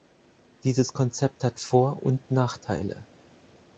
Dieses Konzept hat Vor- und Nachteile.